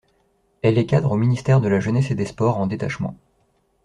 Elle est cadre au ministère de la Jeunesse et des Sports en détachement.